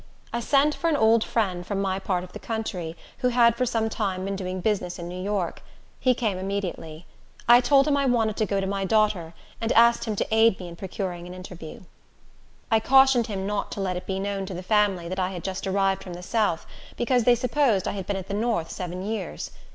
I sent for an old friend from my part of the country, who had for some time been doing business in New York. He came immediately. I told him I wanted to go to my daughter, and asked him to aid me in procuring an interview. I cautioned him not to let it be known to the family that I had just arrived from the south, because they supposed I had been at the north seven years.